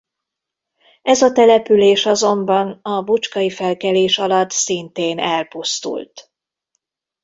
Ez a település azonban a Bocskai-felkelés alatt szintén elpusztult.